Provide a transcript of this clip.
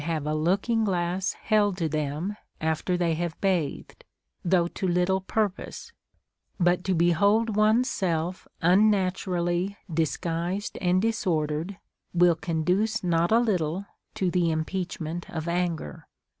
41 have a looking glass held to them after they have bathed, though to little purpose ; but to behold one's self unnaturally disguised and disordered will conduce not a little to the impeachment of anger.